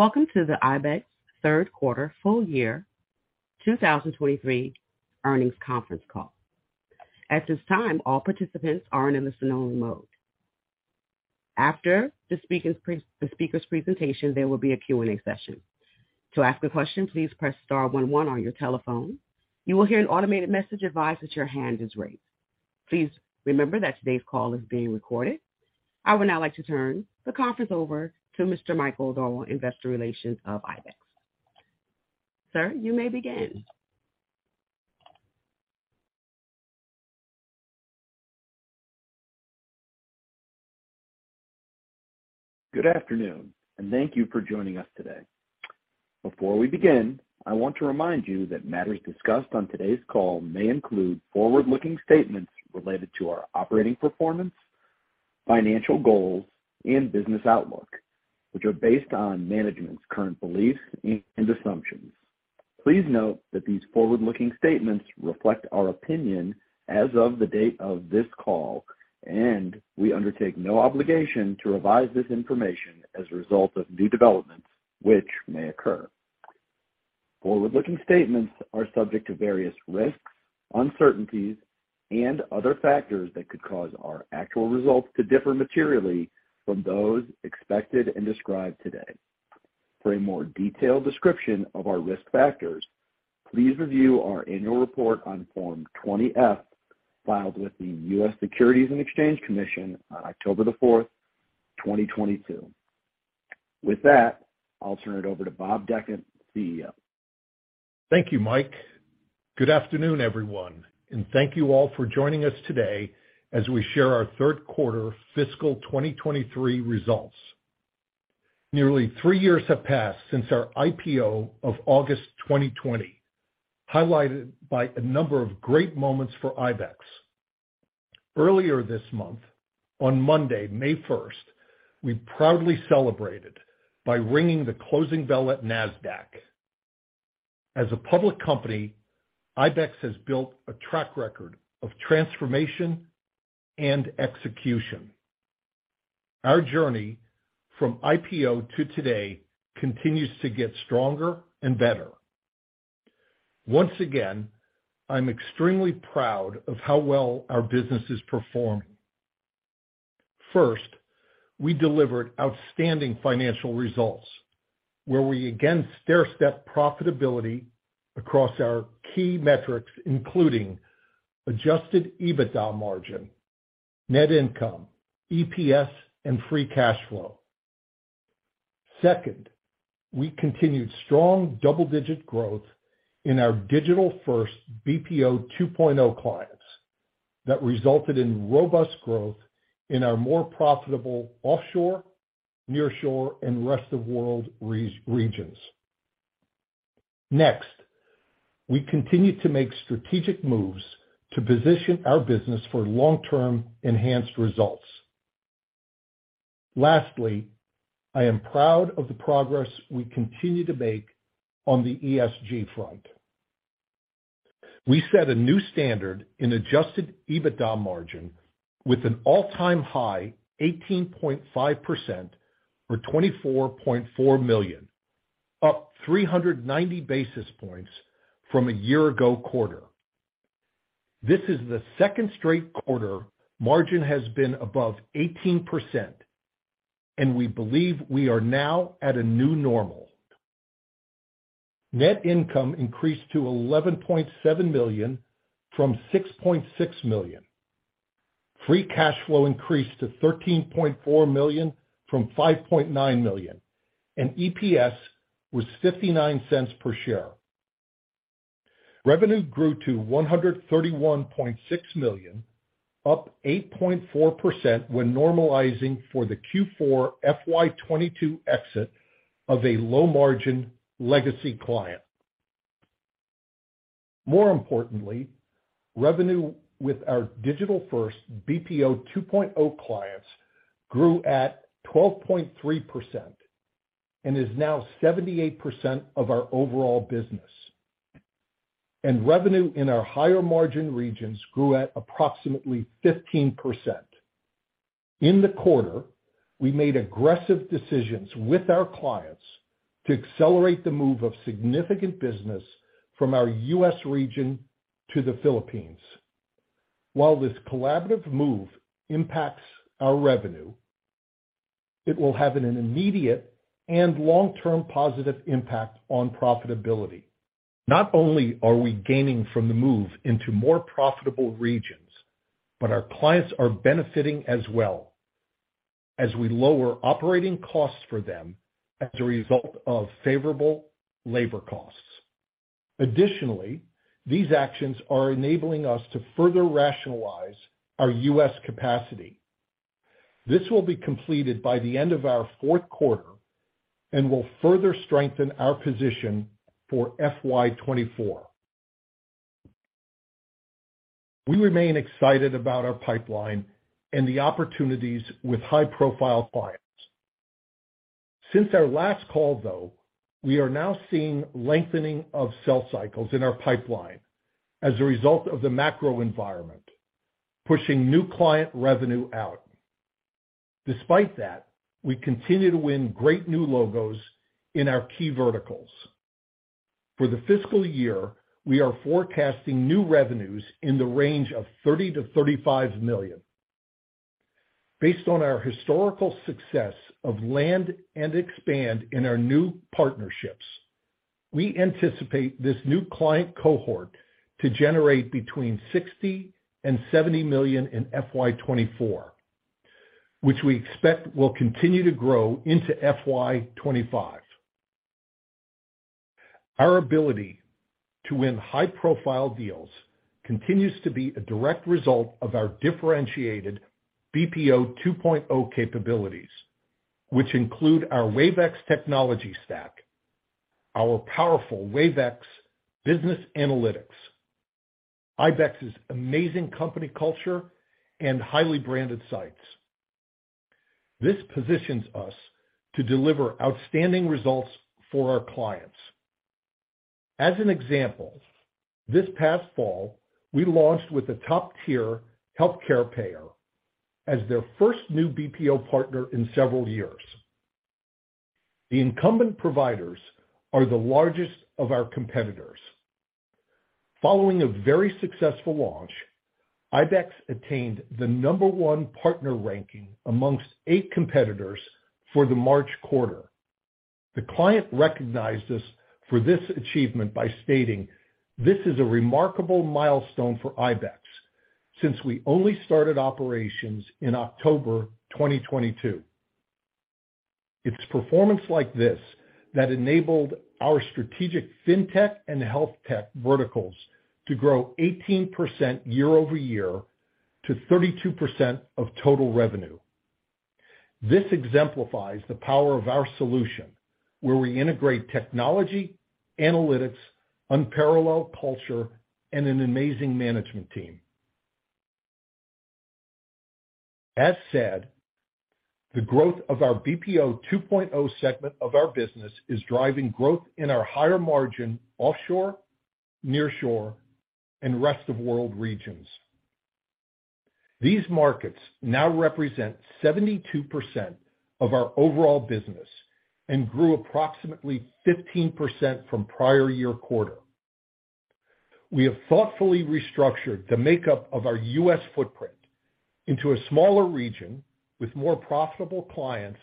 Welcome to the IBEX Third Quarter Full Year 2023 Earnings Conference Call. At this time, all participants are in listen-only mode. After the speaker's presentation, there will be a Q&A session. To ask a question, please press star one one on your telephone. You will hear an automated message advise that your hand is raised. Please remember that today's call is being recorded. I would now like to turn the conference over to Mr. Michael Darwal, investor relations of IBEX. Sir, you may begin. Good afternoon and thank you for joining us today. Before we begin, I want to remind you that matters discussed on today's call may include forward-looking statements related to our operating performance, financial goals, and business outlook, which are based on management's current beliefs and assumptions. Please note that these forward-looking statements reflect our opinion as of the date of this call, and we undertake no obligation to revise this information as a result of new developments which may occur. Forward-looking statements are subject to various risks, uncertainties, and other factors that could cause our actual results to differ materially from those expected and described today. For a more detailed description of our risk factors, please review our annual report on Form 20-F, filed with the U.S. Securities and Exchange Commission on October 4, 2022. With that, I'll turn it over to Bob Dechant, CEO. Thank you, Mike. Good afternoon, everyone, and thank you all for joining us today as we share our third quarter fiscal 2023 results. Nearly three years have passed since our IPO of August 2020, highlighted by a number of great moments for IBEX. Earlier this month, on Monday, May 1st, we proudly celebrated by ringing the closing bell at Nasdaq. As a public company, IBEX has built a track record of transformation and execution. Our journey from IPO to today continues to get stronger and better. Once again, I'm extremely proud of how well our business is performing. First, we delivered outstanding financial results where we again stairstep profitability across our key metrics, including adjusted EBITDA margin, net income, EPS, and free cash flow. We continued strong double-digit growth in our digital-first BPO 2.0 clients that resulted in robust growth in our more profitable offshore, nearshore, and rest-of-world regions. We continue to make strategic moves to position our business for long-term enhanced results. I am proud of the progress we continue to make on the ESG front. We set a new standard in adjusted EBITDA margin with an all-time high 18.5% for $24.4 million, up 390 basis points from a year ago quarter. This is the second straight quarter margin has been above 18%, and we believe we are now at a new normal. Net income increased to $11.7 million from $6.6 million. Free cash flow increased to $13.4 million from $5.9 million, and EPS was $0.59 per share. Revenue grew to $131.6 million, up 8.4% when normalizing for the Q4 FY 2022 exit of a low-margin legacy client. More importantly, revenue with our digital-first BPO 2.0 clients grew at 12.3% and is now 78% of our overall business. Revenue in our higher margin regions grew at approximately 15%. In the quarter, we made aggressive decisions with our clients to accelerate the move of significant business from our U.S. region to the Philippines. While this collaborative move impacts our revenue, it will have an immediate and long-term positive impact on profitability. Not only are we gaining from the move into more profitable regions, but our clients are benefiting as well as we lower operating costs for them as a result of favorable labor costs. Additionally, these actions are enabling us to further rationalize our US capacity. This will be completed by the end of our fourth quarter and will further strengthen our position for FY 2024. We remain excited about our pipeline and the opportunities with high-profile clients. Since our last call though, we are now seeing lengthening of sales cycles in our pipeline as a result of the macro environment. Pushing new client revenue out. Despite that, we continue to win great new logos in our key verticals. For the fiscal year, we are forecasting new revenues in the range of $30 million-$35 million. Based on our historical success of land and expand in our new partnerships, we anticipate this new client cohort to generate between $60 million and $70 million in FY 2024, which we expect will continue to grow into FY 2025. Our ability to win high-profile deals continues to be a direct result of our differentiated BPO 2.0 capabilities, which include our Wave X technology stack, our powerful Wave X business analytics, IBEX's amazing company culture, and highly branded sites. This positions us to deliver outstanding results for our clients. As an example, this past fall, we launched with a top-tier healthcare payer as their first new BPO partner in several years. The incumbent providers are the largest of our competitors. Following a very successful launch, IBEX attained the number one partner ranking amongst eight competitors for the March quarter. The client recognized us for this achievement by stating, "This is a remarkable milestone for IBEX since we only started operations in October 2022." It's performance like this that enabled our strategic FinTech and HealthTech verticals to grow 18% year-over-year to 32% of total revenue. This exemplifies the power of our solution, where we integrate technology, analytics, unparalleled culture, and an amazing management team. As said, the growth of our BPO 2.0 segment of our business is driving growth in our higher margin offshore, nearshore, and rest of world regions. These markets now represent 72% of our overall business and grew approximately 15% from prior year quarter. We have thoughtfully restructured the makeup of our U.S. footprint into a smaller region with more profitable clients,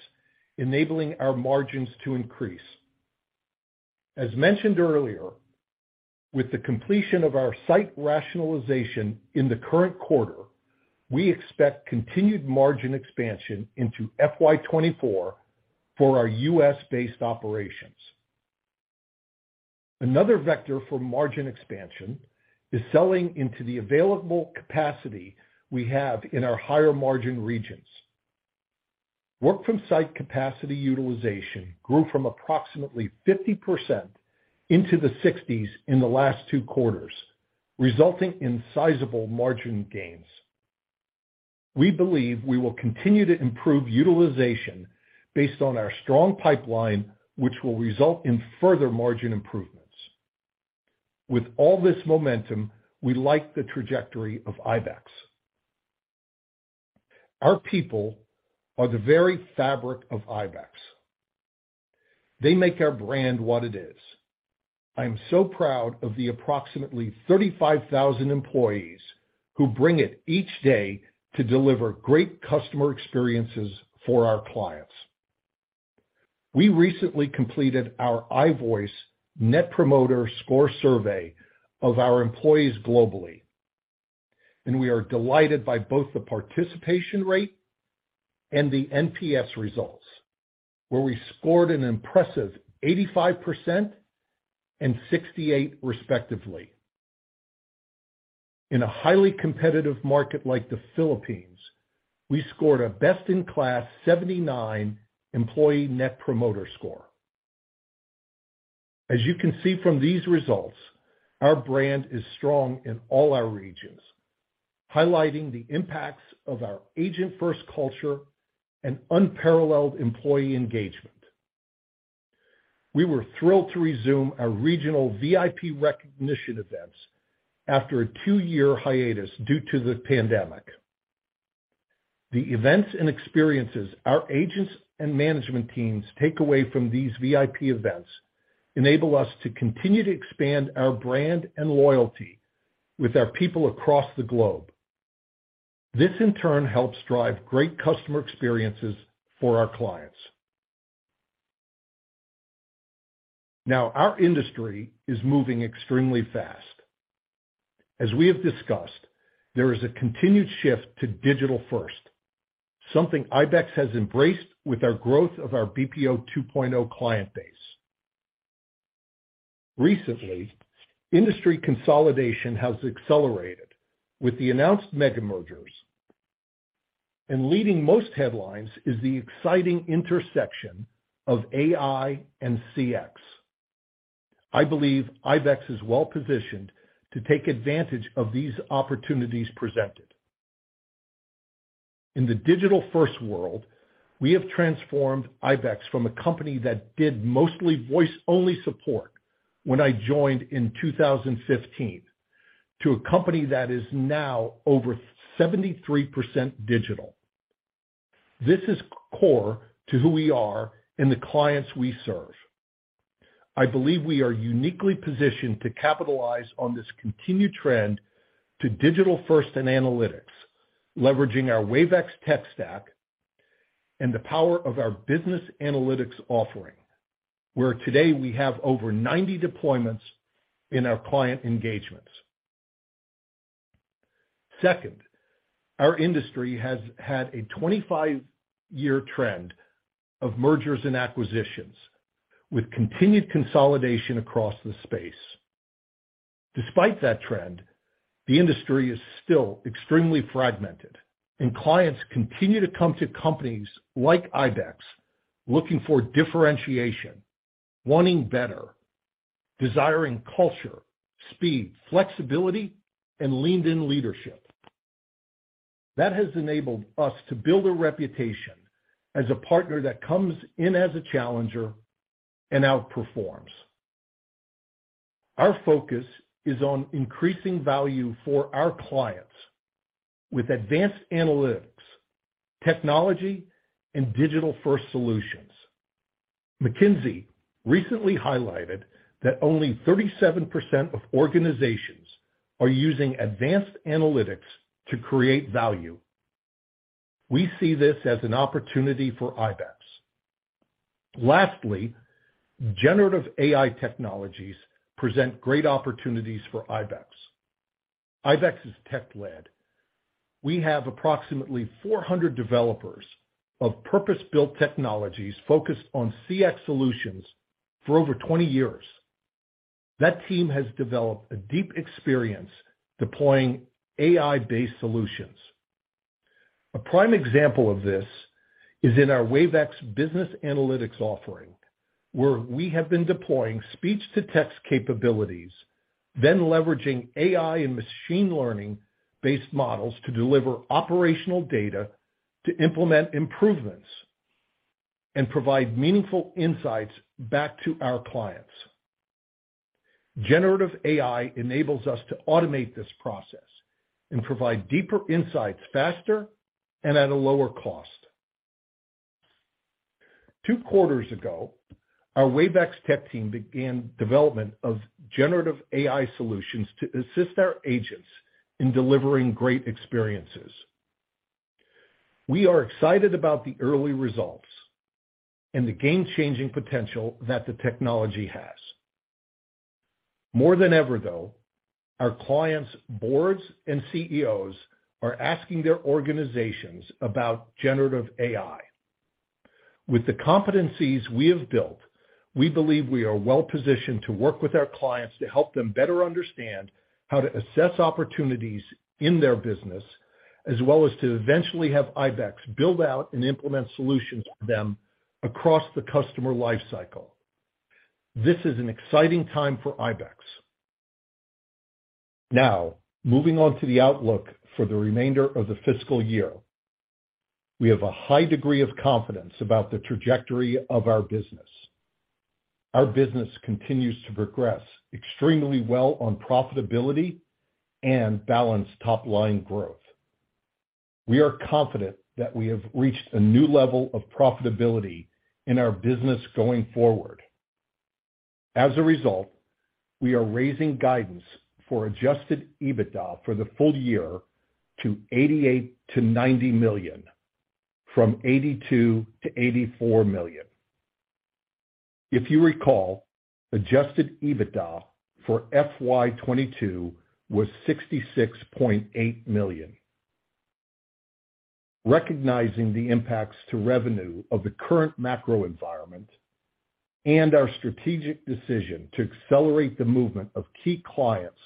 enabling our margins to increase. As mentioned earlier, with the completion of our site rationalization in the current quarter, we expect continued margin expansion into FY 2024 for our U.S.-based operations. Another vector for margin expansion is selling into the available capacity we have in our higher margin regions. Work from site capacity utilization grew from approximately 50% into the 60s in the last two quarters, resulting in sizable margin gains. We believe we will continue to improve utilization based on our strong pipeline, which will result in further margin improvements. With all this momentum, we like the trajectory of IBEX. Our people are the very fabric of IBEX. They make our brand what it is. I am so proud of the approximately 35,000 employees who bring it each day to deliver great customer experiences for our clients. We recently completed our iVoice Net Promoter Score survey of our employees globally, and we are delighted by both the participation rate and the NPS results, where we scored an impressive 85% and 68 respectively. In a highly competitive market like the Philippines, we scored a best-in-class 79 employee Net Promoter Score. As you can see from these results, our brand is strong in all our regions, highlighting the impacts of our agent-first culture and unparalleled employee engagement. We were thrilled to resume our regional VIP recognition events after a two-year hiatus due to the pandemic. The events and experiences our agents and management teams take away from these VIP events enable us to continue to expand our brand and loyalty with our people across the globe. This in turn helps drive great customer experiences for our clients. Our industry is moving extremely fast. As we have discussed, there is a continued shift to digital-first, something IBEX has embraced with our growth of our BPO 2.0 client base. Recently, industry consolidation has accelerated with the announced mega mergers, and leading most headlines is the exciting intersection of AI and CX. I believe IBEX is well positioned to take advantage of these opportunities presented. In the digital-first world, we have transformed IBEX from a company that did mostly voice-only support when I joined in 2015, to a company that is now over 73% digital. This is core to who we are and the clients we serve. I believe we are uniquely positioned to capitalize on this continued trend to digital-first and analytics, leveraging our Wave X tech stack and the power of our business analytics offering, where today we have over 90 deployments in our client engagements. Second, our industry has had a 25-year trend of mergers and acquisitions with continued consolidation across the space. Despite that trend, the industry is still extremely fragmented and clients continue to come to companies like IBEX looking for differentiation, wanting better, desiring culture, speed, flexibility and leaned in leadership. That has enabled us to build a reputation as a partner that comes in as a challenger and outperforms. Our focus is on increasing value for our clients with advanced analytics, technology and digital-first solutions. McKinsey recently highlighted that only 37% of organizations are using advanced analytics to create value. We see this as an opportunity for IBEX. Generative AI technologies present great opportunities for IBEX. IBEX is tech-led. We have approximately 400 developers of purpose-built technologies focused on CX solutions for over 20 years. That team has developed a deep experience deploying AI-based solutions. A prime example of this is in our Wave X business analytics offering, where we have been deploying speech-to-text capabilities, then leveraging AI and machine learning-based models to deliver operational data to implement improvements and provide meaningful insights back to our clients. Generative AI enables us to automate this process and provide deeper insights faster and at a lower cost. Two quarters ago, our Wave X tech team began development of generative AI solutions to assist our agents in delivering great experiences. We are excited about the early results and the game changing potential that the technology has. More than ever, though, our clients' boards and CEOs are asking their organizations about generative AI. With the competencies we have built, we believe we are well positioned to work with our clients to help them better understand how to assess opportunities in their business, as well as to eventually have IBEX build out and implement solutions for them across the customer life cycle. This is an exciting time for IBEX. Moving on to the outlook for the remainder of the fiscal year. We have a high degree of confidence about the trajectory of our business. Our business continues to progress extremely well on profitability and balanced top line growth. We are confident that we have reached a new level of profitability in our business going forward. As a result, we are raising guidance for adjusted EBITDA for the full year to $88 million-$90 million from $82 million-$84 million. If you recall, adjusted EBITDA for FY 2022 was $66.8 million. Recognizing the impacts to revenue of the current macro environment and our strategic decision to accelerate the movement of key clients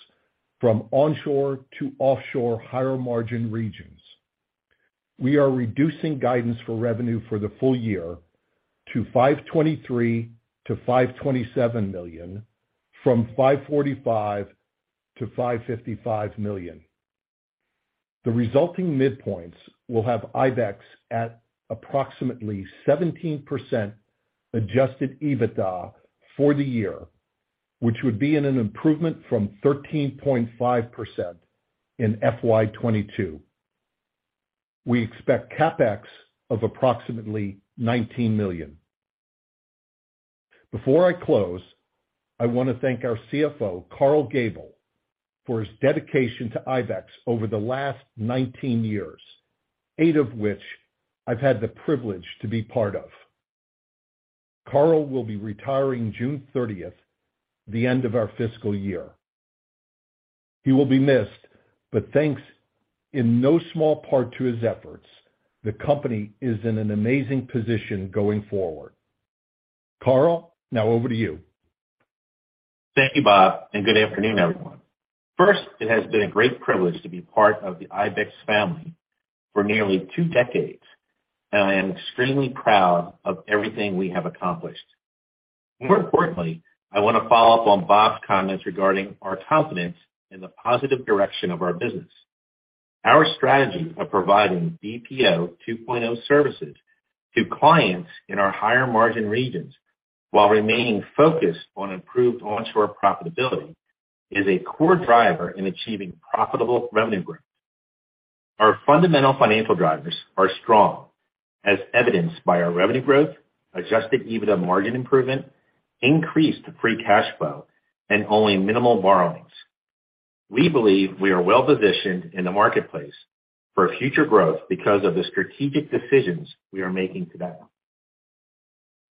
from onshore to offshore higher margin regions, we are reducing guidance for revenue for the full year to $523 million-$527 million from $545 million-$555 million. The resulting midpoints will have IBEX at approximately 17% adjusted EBITDA for the year, which would be in an improvement from 13.5% in FY 2022. We expect CapEx of approximately $19 million. Before I close, I want to thank our CFO, Karl Gabel, for his dedication to IBEX over the last 19 years, eight of which I've had the privilege to be part of. Karl will be retiring June 30th, the end of our fiscal year. He will be missed, but thanks in no small part to his efforts, the company is in an amazing position going forward. Karl, now over to you. Thank you, Bob. Good afternoon, everyone. First, it has been a great privilege to be part of the IBEX family for nearly two decades, and I am extremely proud of everything we have accomplished. More importantly, I wanna follow up on Bob's comments regarding our confidence in the positive direction of our business. Our strategy of providing BPO 2.0 services to clients in our higher margin regions, while remaining focused on improved onshore profitability, is a core driver in achieving profitable revenue growth. Our fundamental financial drivers are strong, as evidenced by our revenue growth, adjusted EBITDA margin improvement, increased free cash flow, and only minimal borrowings. We believe we are well-positioned in the marketplace for future growth because of the strategic decisions we are making today.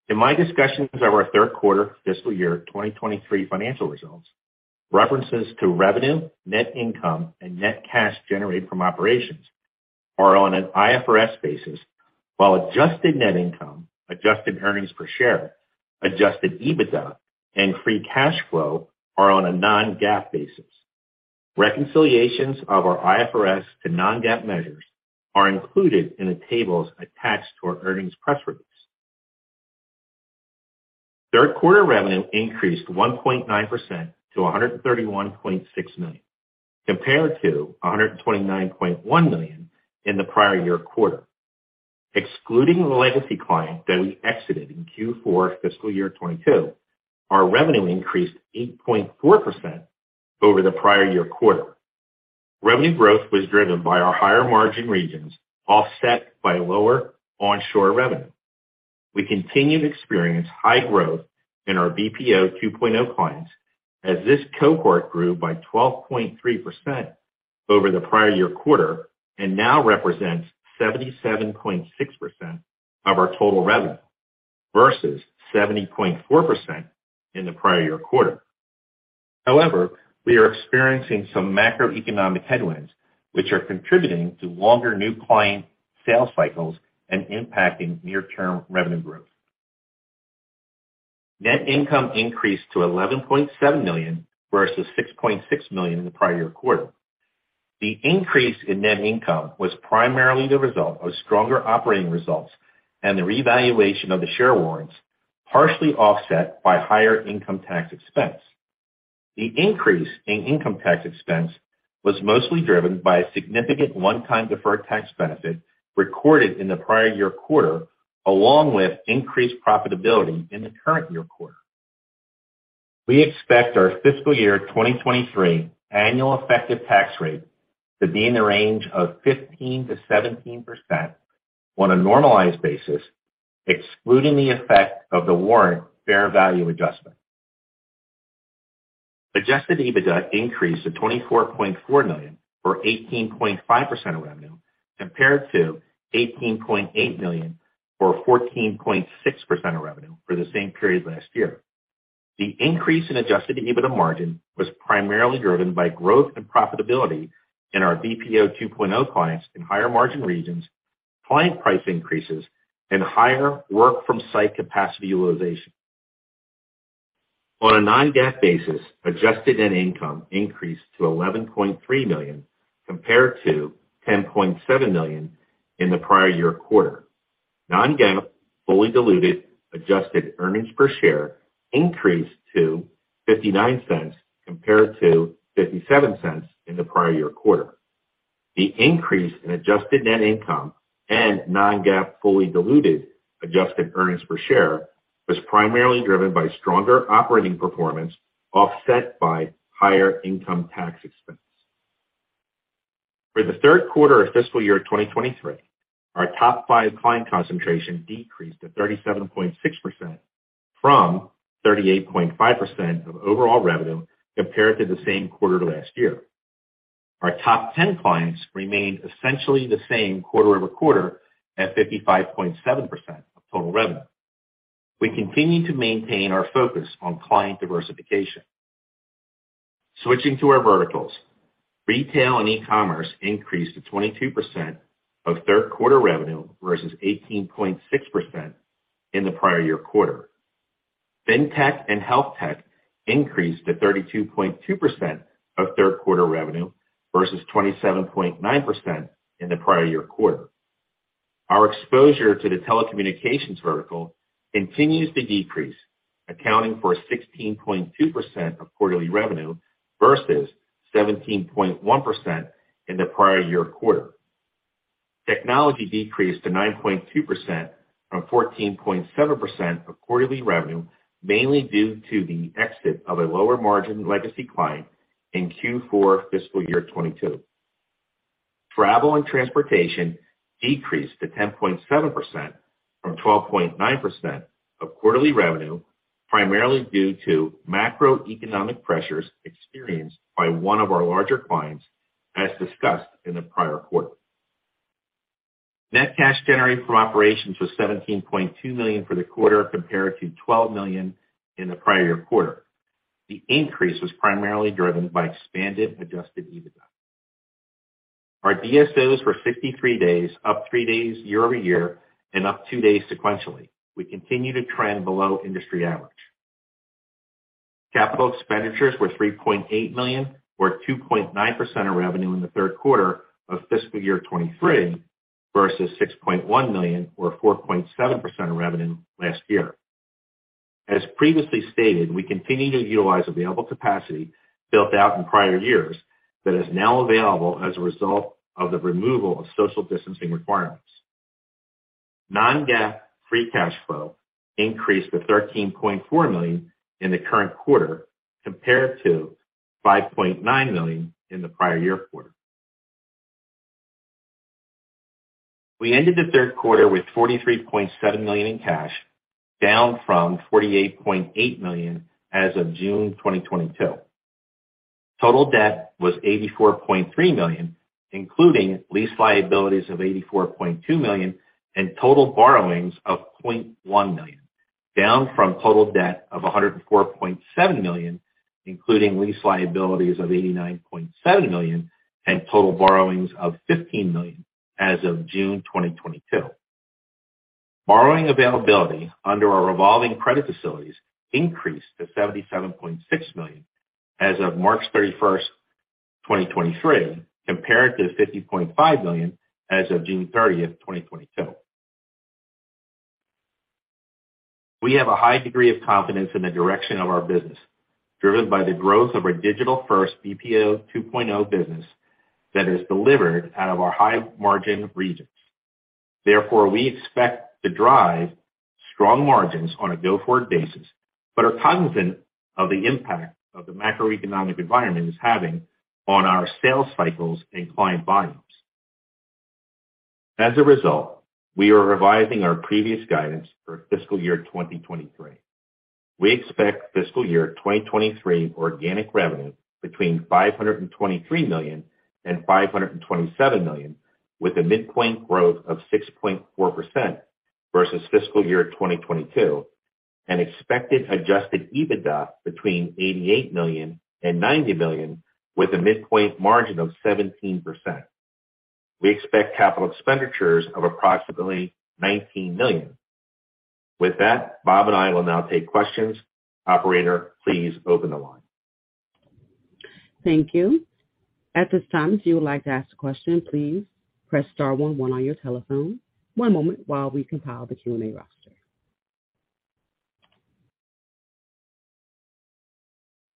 In my discussions of our third quarter fiscal year 2023 financial results, references to revenue, net income, and net cash generated from operations are on an IFRS basis, while adjusted net income, adjusted earnings per share, adjusted EBITDA, and free cash flow are on a non-GAAP basis. Reconciliations of our IFRS to non-GAAP measures are included in the tables attached to our earnings press release. Third quarter revenue increased 1.9% to $131.6 million, compared to $129.1 million in the prior year quarter. Excluding the legacy client that we exited in Q4 fiscal year 2022, our revenue increased 8.4% over the prior year quarter. Revenue growth was driven by our higher margin regions, offset by lower onshore revenue. We continued to experience high growth in our BPO 2.0 clients, as this cohort grew by 12.3% over the prior year quarter and now represents 77.6% of our total revenue versus 70.4% in the prior year quarter. We are experiencing some macroeconomic headwinds which are contributing to longer new client sales cycles and impacting near-term revenue growth. Net income increased to $11.7 million versus $6.6 million in the prior year quarter. The increase in net income was primarily the result of stronger operating results and the revaluation of the share warrants, partially offset by higher income tax expense. The increase in income tax expense was mostly driven by a significant one-time deferred tax benefit recorded in the prior year quarter, along with increased profitability in the current year quarter. We expect our fiscal year 2023 annual effective tax rate to be in the range of 15%-17% on a normalized basis, excluding the effect of the warrant fair value adjustment. Adjusted EBITDA increased to $24.4 million, or 18.5% of revenue, compared to $18.8 million or 14.6% of revenue for the same period last year. The increase in adjusted EBITDA margin was primarily driven by growth and profitability in our BPO 2.0 clients in higher margin regions, client price increases, and higher work from site capacity utilization. On a non-GAAP basis, adjusted net income increased to $11.3 million compared to $10.7 million in the prior year quarter. Non-GAAP fully diluted adjusted earnings per share increased to $0.59 compared to $0.57 in the prior year quarter. The increase in adjusted net income and non-GAAP fully diluted adjusted earnings per share was primarily driven by stronger operating performance, offset by higher income tax expense. For the third quarter of fiscal year 2023, our top five client concentration decreased to 37.6% from 38.5% of overall revenue compared to the same quarter last year. Our top 10 clients remained essentially the same quarter-over-quarter at 55.7% of total revenue. We continue to maintain our focus on client diversification. Switching to our verticals, Retail & E-Commerce increased to 22% of third quarter revenue, versus 18.6% in the prior year quarter. FinTech and HealthTech increased to 32.2% of third quarter revenue versus 27.9% in the prior year quarter. Our exposure to the telecommunications vertical continues to decrease, accounting for 16.2% of quarterly revenue versus 17.1% in the prior year quarter. Technology decreased to 9.2% from 14.7% of quarterly revenue, mainly due to the exit of a lower margin legacy client in Q4 fiscal year 2022. Travel and transportation decreased to 10.7% from 12.9% of quarterly revenue, primarily due to macroeconomic pressures experienced by one of our larger clients, as discussed in the prior quarter. Net cash generated from operations was $17.2 million for the quarter compared to $12 million in the prior year quarter. The increase was primarily driven by expanded adjusted EBITDA. Our DSOs were 53 days, up three days year-over-year and up two days sequentially. We continue to trend below industry average. CapEx were $3.8 million, or 2.9% of revenue in the third quarter of fiscal year 2023, versus $6.1 million or 4.7% of revenue last year. As previously stated, we continue to utilize available capacity built out in prior years that is now available as a result of the removal of social distancing requirements. Non-GAAP free cash flow increased to $13.4 million in the current quarter compared to $5.9 million in the prior year quarter. We ended the third quarter with $43.7 million in cash, down from $48.8 million as of June 2022. Total debt was $84.3 million, including lease liabilities of $84.2 million and total borrowings of $0.1 million, down from total debt of $104.7 million, including lease liabilities of $89.7 million and total borrowings of $15 million as of June 2022. Borrowing availability under our revolving credit facilities increased to $77.6 million as of March 31, 2023, compared to $50.5 million as of June 30, 2022. We have a high degree of confidence in the direction of our business, driven by the growth of our digital-first BPO 2.0 business that is delivered out of our high margin regions. Therefore, we expect to drive strong margins on a go-forward basis, but are cognizant of the impact of the macroeconomic environment is having on our sales cycles and client volumes. As a result, we are revising our previous guidance for fiscal year 2023. We expect fiscal year 2023 organic revenue between $523 million and $527 million, with a midpoint growth of 6.4% versus fiscal year 2022, and expected adjusted EBITDA between $88 million and $90 million, with a midpoint margin of 17%. We expect capital expenditures of approximately $19 million. With that, Bob and I will now take questions. Operator, please open the line. Thank you. At this time, if you would like to ask a question, please press star one one on your telephone. One moment while we compile the Q&A roster.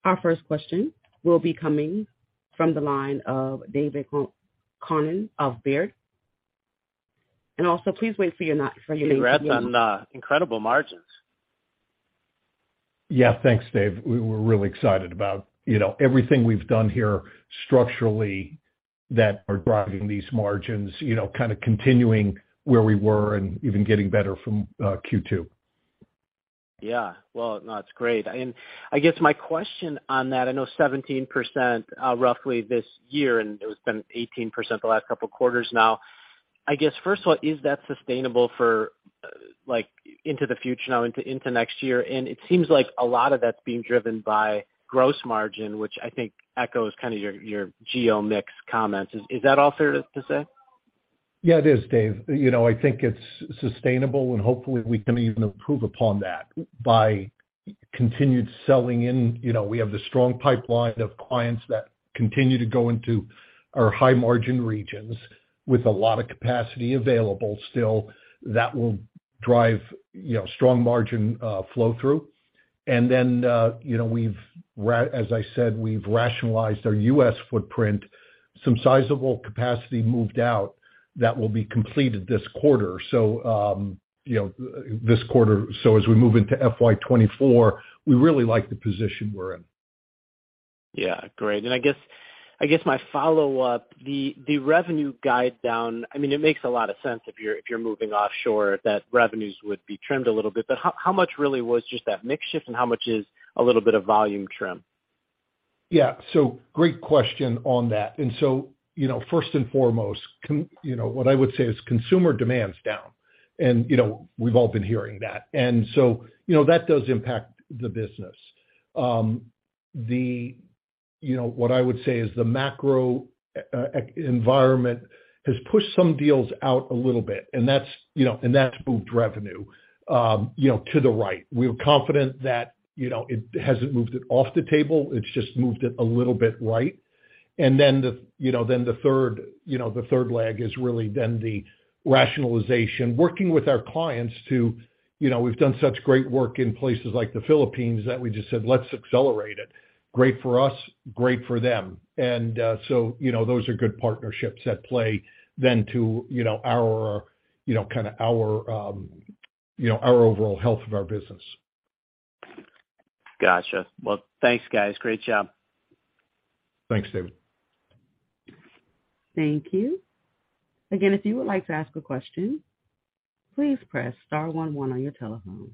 Our first question will be coming from the line of David Koning of Baird. Also please wait for your name to be announced. Congrats on incredible margins. Yeah, thanks, Dave. We were really excited about, you know, everything we've done here structurally that are driving these margins, you know, kind of continuing where we were and even getting better from Q2. Yeah. Well, no, it's great. I guess my question on that, I know 17% roughly this year, and it has been 18% the last couple of quarters now. I guess first of all, is that sustainable for, like, into the future now into next year? It seems like a lot of that's being driven by gross margin, which I think echoes kind of your geo mix comments. Is that all fair to say? Yeah. It is, Dave. You know, I think it's sustainable, and hopefully we can even improve upon that by continued selling in. You know, we have the strong pipeline of clients that continue to go into our high margin regions with a lot of capacity available still that will drive, you know, strong margin flow through. Then, you know, we've as I said, we've rationalized our U.S. footprint. Some sizable capacity moved out that will be completed this quarter. You know, this quarter, as we move into FY 2024, we really like the position we're in. Yeah. Great. I guess my follow-up, the revenue guide down, I mean, it makes a lot of sense if you're moving offshore, that revenues would be trimmed a little bit. How much really was just that mix shift and how much is a little bit of volume trim? Yeah. Great question on that. You know, first and foremost, what I would say is consumer demand's down. You know, we've all been hearing that. You know, that does impact the business. The, you know, what I would say is the macro, environment has pushed some deals out a little bit, and that's, you know, and that's moved revenue, you know, to the right. We're confident that, you know, it hasn't moved it off the table, it's just moved it a little bit right. The, you know, then the third leg is really then the rationalization. Working with our clients to, you know, we've done such great work in places like the Philippines that we just said, "Let's accelerate it." Great for us, great for them. You know, those are good partnerships at play then to, you know, our, you know, kinda our, you know, our overall health of our business. Gotcha. Well, thanks, guys. Great job. Thanks, David. Thank you. Again, if you would like to ask a question, please press star one one on your telephone.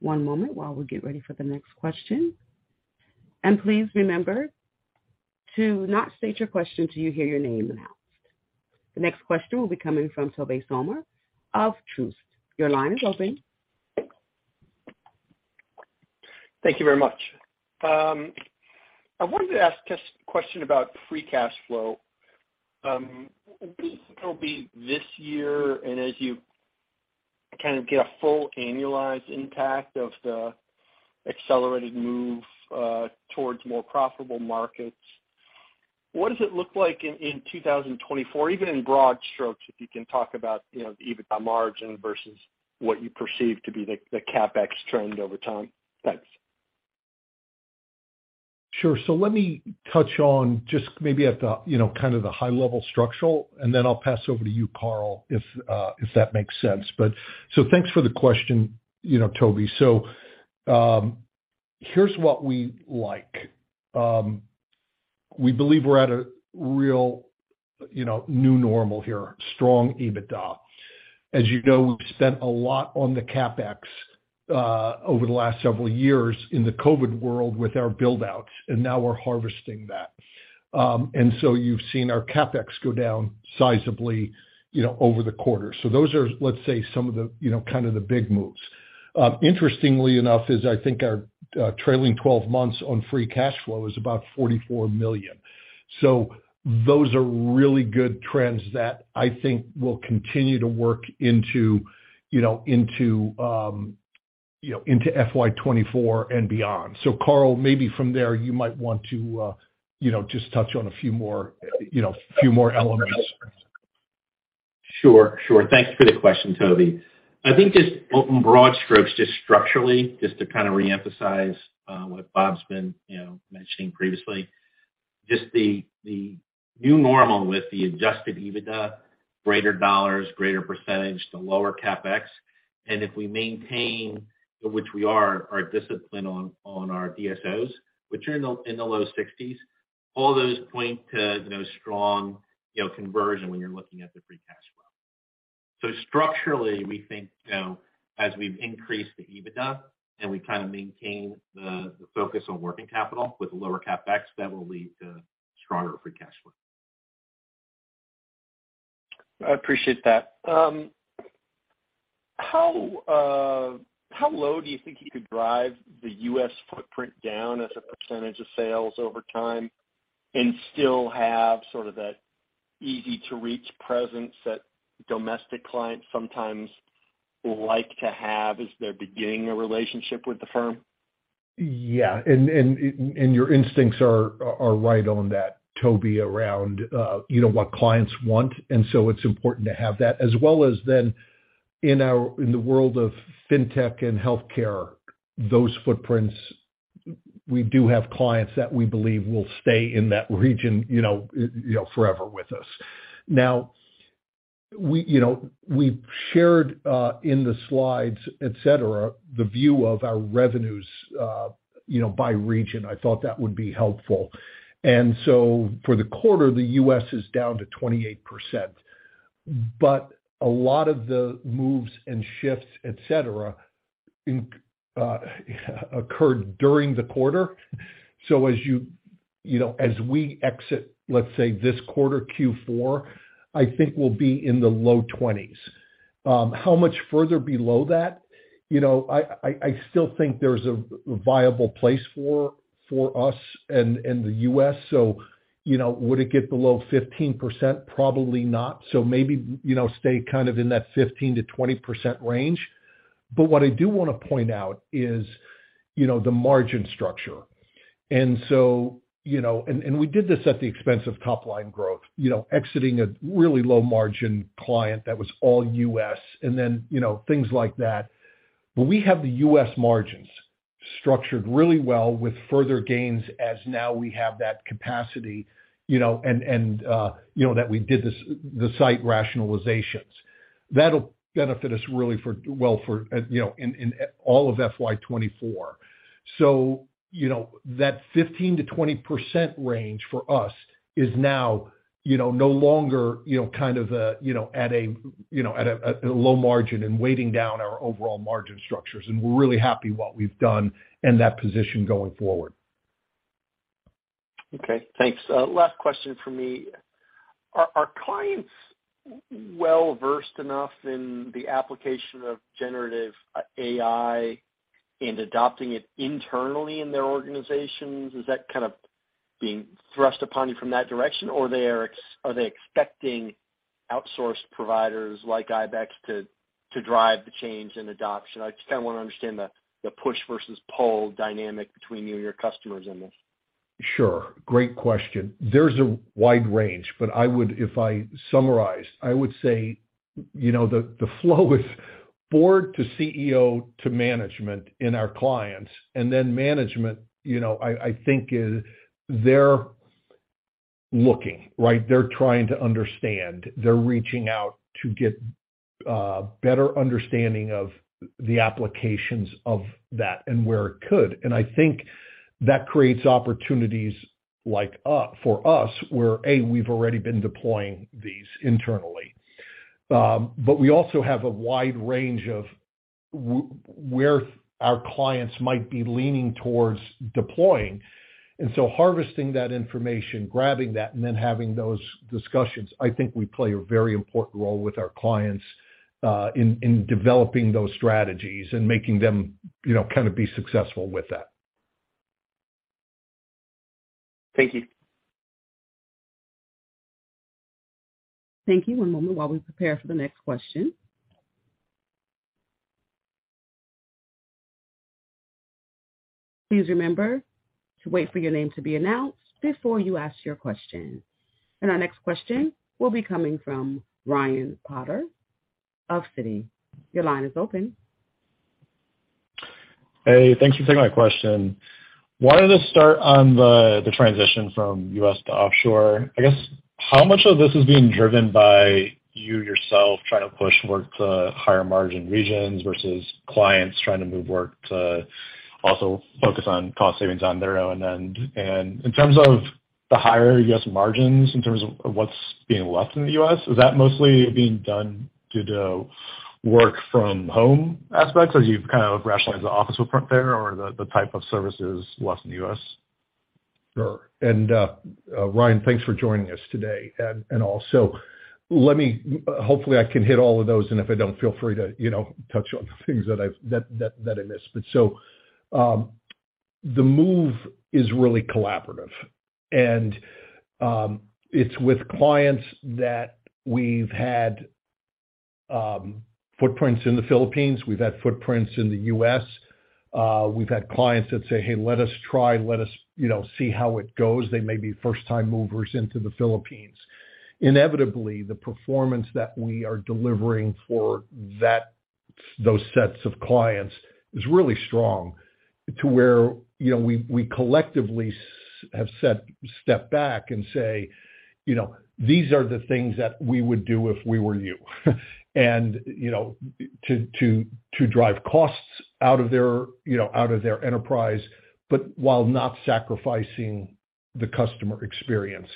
One moment while we get ready for the next question. Please remember to not state your question till you hear your name announced. The next question will be coming from Tobey Sommer of Truist. Your line is open. Thank you very much. I wanted to ask just a question about free cash flow. Will it still be this year and as you... Kind of get a full annualized impact of the accelerated move towards more profitable markets. What does it look like in 2024, even in broad strokes, if you can talk about, you know, the EBITDA margin versus what you perceive to be the CapEx trend over time? Thanks. Sure. Let me touch on just maybe at the, you know, kind of the high-level structural, and then I'll pass over to you, Karl, if that makes sense. Thanks for the question, you know, Toby. Here's what we like. We believe we're at a real, you know, new normal here, strong EBITDA. As you know, we've spent a lot on the CapEx over the last several years in the COVID world with our build-outs, and now we're harvesting that. You've seen our CapEx go down sizably, you know, over the quarter. Those are, let's say, some of the, you know, kind of the big moves. Interestingly enough is I think our trailing 12 months on free cash flow is about $44 million. Those are really good trends that I think will continue to work into, you know, into FY 2024 and beyond. Karl, maybe from there, you might want to, you know, just touch on a few more elements. Sure, sure. Thanks for the question, Toby. I think just broad strokes, just structurally, just to kind of reemphasize what Bob's been, you know, mentioning previously, just the new normal with the adjusted EBITDA, greater dollars, greater percentage, the lower CapEx, and if we maintain, which we are, our discipline on our DSOs, which are in the, in the low 60s, all those point to, you know, strong, you know, conversion when you're looking at the free cash flow. Structurally, we think, you know, as we've increased the EBITDA and we kind of maintain the focus on working capital with lower CapEx, that will lead to stronger free cash flow. I appreciate that. How low do you think you could drive the U.S. footprint down as a % of sales over time and still have sort of that easy-to-reach presence that domestic clients sometimes like to have as they're beginning a relationship with the firm? Yeah. And your instincts are right on that, Tobey, around, you know, what clients want, it's important to have that. As well as in the world of FinTech and HealthTech, those footprints, we do have clients that we believe will stay in that region, you know, forever with us. We, you know, we've shared in the slides, et cetera, the view of our revenues, you know, by region. I thought that would be helpful. For the quarter, the U.S. is down to 28%. A lot of the moves and shifts, et cetera, occurred during the quarter. As you know, as we exit, let's say this quarter, Q4, I think we'll be in the low 20s. How much further below that? You know, I still think there's a viable place for us and the U.S. Would it get below 15%? Probably not. Maybe, you know, stay kind of in that 15%-20% range. What I do wanna point out is, you know, the margin structure. You know, and we did this at the expense of top-line growth, you know, exiting a really low-margin client that was all U.S., and then, you know, things like that. We have the U.S. margins structured really well with further gains as now we have that capacity, you know, and, you know, that we did this, the site rationalizations. That'll benefit us really for, well, for, you know, in all of FY 2024. You know, that 15% to 20% range for us is now, you know, no longer, kind of a, you know, at a low margin and weighting down our overall margin structures. We're really happy what we've done in that position going forward. Okay, thanks. Last question from me. Are clients well-versed enough in the application of generative AI and adopting it internally in their organizations? Is that kind of being thrust upon you from that direction? Or are they expecting outsourced providers like IBEX to drive the change and adoption? I just kinda wanna understand the push versus pull dynamic between you and your customers in this. Sure. Great question. There's a wide range, but if I summarize, I would say, you know, the flow is board to CEO to management in our clients, management, you know, I think they're looking, right? They're trying to understand. They're reaching out to get better understanding of the applications of that and where it could. I think that creates opportunities like for us, where, A, we've already been deploying these internally. We also have a wide range of where our clients might be leaning towards deploying. Harvesting that information, grabbing that, and then having those discussions, I think we play a very important role with our clients, in developing those strategies and making them, you know, kind of be successful with that. Thank you. Thank you. One moment while we prepare for the next question. Please remember to wait for your name to be announced before you ask your question. Our next question will be coming from Ryan Potter of Citi. Your line is open. Hey, thank you for taking my question. Wanted to start on the transition from U.S. to offshore. I guess how much of this is being driven by you yourself trying to push work to higher-margin regions versus clients trying to move work to also focus on cost savings on their own end? In terms of the higher U.S. margins, in terms of what's being left in the U.S., is that mostly being done due to work from home aspects as you've kind of rationalized the office footprint there, or the type of services lost in the U.S.? Sure. Ryan, thanks for joining us today. Also let me hopefully I can hit all of those, and if I don't, feel free to, you know, touch on the things that I've, that I miss. The move is really collaborative. It's with clients that we've had, footprints in the Philippines, we've had footprints in the US, we've had clients that say, "Hey, let us try. Let us, you know, see how it goes." They may be first-time movers into the Philippines. Inevitably, the performance that we are delivering for that, those sets of clients is really strong to where, you know, we collectively stepped back and say, you know, "These are the things that we would do if we were you." You know, to drive costs out of their, you know, out of their enterprise, but while not sacrificing the customer experience.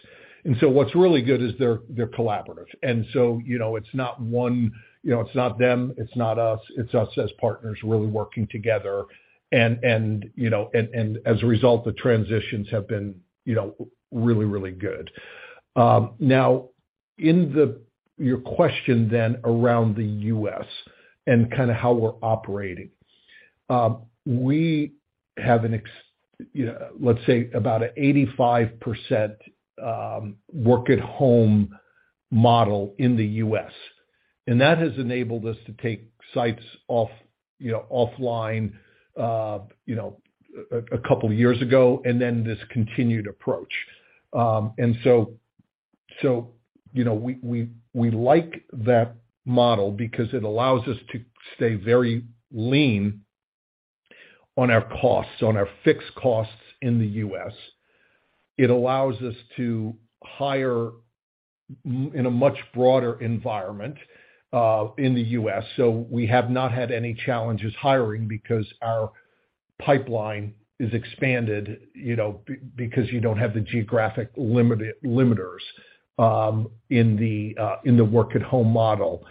What's really good is they're collaborative. You know, it's not one, you know, it's not them, it's not us. It's us as partners really working together. You know, as a result, the transitions have been, you know, really, really good. Now your question then around the U.S. and kind of how we're operating. We have let's say about 85% work-at-home model in the U.S., and that has enabled us to take sites off, you know, offline, you know, a couple years ago and then this continued approach. You know, we like that model because it allows us to stay very lean on our costs, on our fixed costs in the US. It allows us to hire in a much broader environment in the U.S. We have not had any challenges hiring because our pipeline is expanded, you know, because you don't have the geographic limiters in the work-at-home model.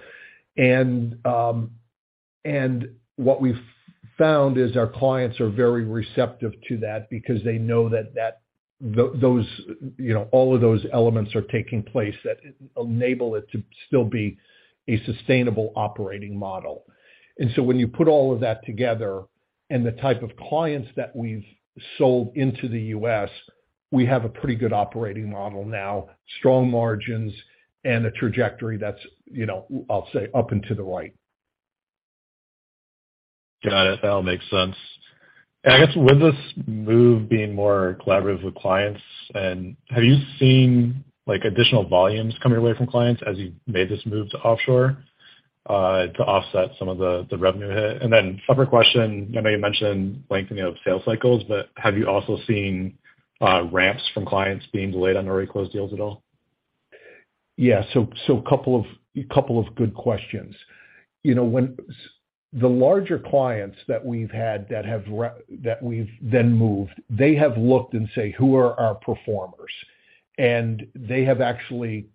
What we've found is our clients are very receptive to that because they know that, those, you know, all of those elements are taking place that enable it to still be a sustainable operating model. When you put all of that together and the type of clients that we've sold into the U.S., we have a pretty good operating model now, strong margins, and a trajectory that's, you know, I'll say up and to the right. Got it. That all makes sense. I guess with this move being more collaborative with clients and have you seen like additional volumes coming away from clients as you've made this move to offshore to offset some of the revenue hit? Separate question, I know you mentioned lengthening of sales cycles, but have you also seen ramps from clients being delayed on already closed deals at all? Couple of good questions. You know, when the larger clients that we've had that we've then moved, they have looked and say, "Who are our performers?" They have actually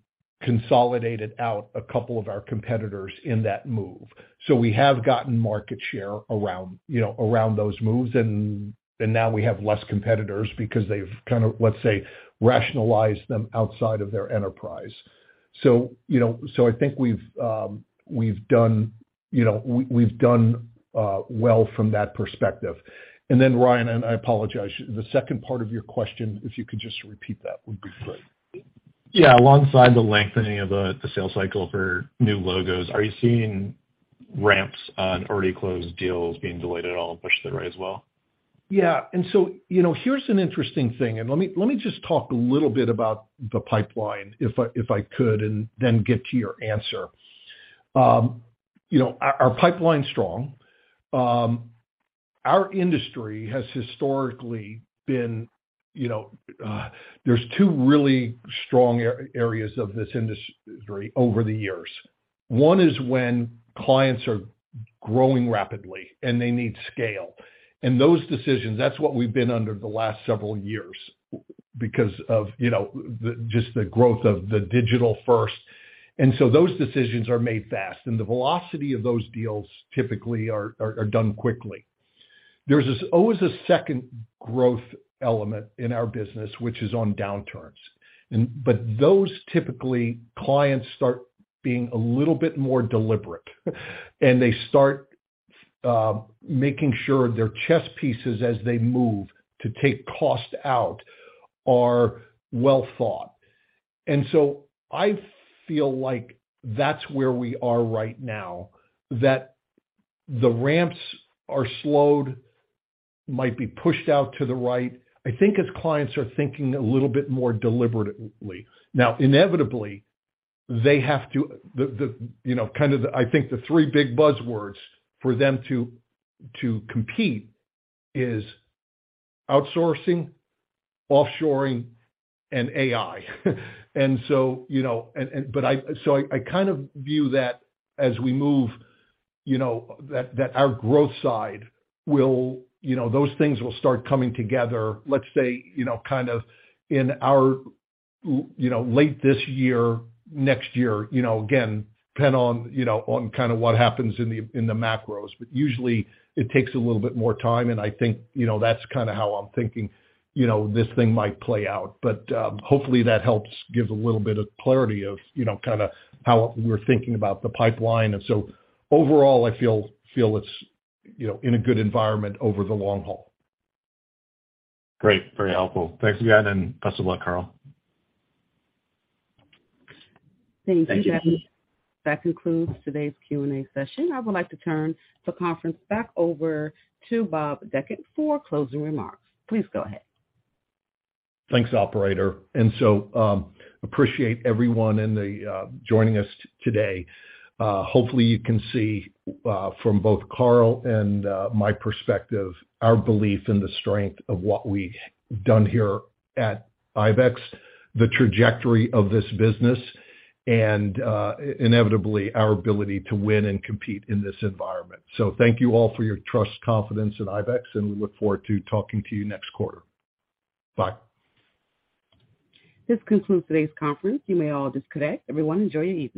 consolidated out a couple of our competitors in that move. We have gotten market share around, you know, around those moves. Now we have less competitors because they've kind of, let's say, rationalized them outside of their enterprise. I think we've done, you know, we've done well from that perspective. Ryan, and I apologize, the second part of your question, if you could just repeat that would be great. Yeah. Alongside the lengthening of the sales cycle for new logos, are you seeing ramps on already closed deals being delayed at all and pushed to the right as well? Yeah. You know, here's an interesting thing, let me just talk a little bit about the pipeline, if I could, get to your answer. You know, our pipeline's strong. Our industry has historically been, you know, there's two really strong areas of this industry over the years. One is when clients are growing rapidly, and they need scale. Those decisions, that's what we've been under the last several years because of, you know, just the growth of the digital-first. Those decisions are made fast, and the velocity of those deals typically are done quickly. There's always a second growth element in our business, which is on downturns. But those typically clients start being a little bit more deliberate, and they making sure their chess pieces, as they move to take cost out, are well thought. I feel like that's where we are right now, that the ramps are slowed, might be pushed out to the right. I think its clients are thinking a little bit more deliberately. Inevitably, they have to, you know, kind of the, I think the three big buzzwords for them to compete is outsourcing, offshoring, and AI. You know, I kind of view that as we move, you know, that our growth side will, you know, those things will start coming together, let's say, you know, kind of in our, you know, late this year, next year. You know, again, depend on, you know, on kinda what happens in the macros. Usually it takes a little bit more time, and I think, you know, that's kinda how I'm thinking, you know, this thing might play out. Hopefully that helps give a little bit of clarity of, you know, kinda how we're thinking about the pipeline. Overall, I feel it's, you know, in a good environment over the long haul. Great. Very helpful. Thanks again, and best of luck, Karl. Thank you. Thank you. That concludes today's Q&A session. I would like to turn the conference back over to Bob Dechant for closing remarks. Please go ahead. Thanks, operator. Appreciate everyone in the joining us today. Hopefully you can see from both Karl and my perspective, our belief in the strength of what we've done here at IBEX, the trajectory of this business, and inevitably, our ability to win and compete in this environment. Thank you all for your trust, confidence in IBEX, and we look forward to talking to you next quarter. Bye. This concludes today's conference. You may all disconnect. Everyone, enjoy your evening.